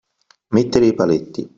Mettere i paletti.